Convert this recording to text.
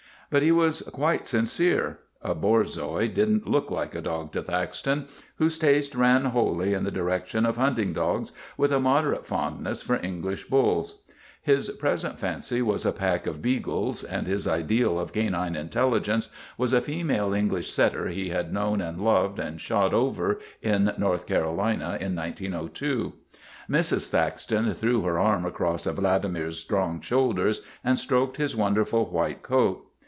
But he was quite sincere. A Borzoi did n't look like a dog to Thaxton, whose taste ran wholly in the direction of hunting dogs, with a moderate fond ness for English bulls. His present fancy was a pack of beagles, and his ideal of canine intelligence was a female English setter he had known and loved and shot over in North Carolina in 1902. Mrs. Thaxton threw her arm across Vladimir's 171 172 THE BLOOD OF HIS FATHERS strong shoulders and stroked his wonderful white coat.